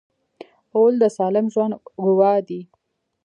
غول د سالم ژوند ګواه دی.